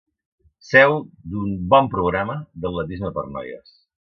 Seu d"un bon programa d"atletisme per a noies.